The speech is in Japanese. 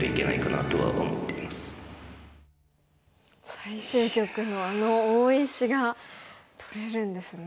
最終局のあの大石が取れるんですね。